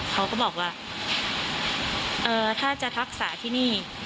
เขาก็บอกว่าถ้าจะทักษะที่นี่